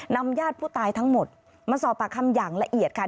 ญาติผู้ตายทั้งหมดมาสอบปากคำอย่างละเอียดค่ะ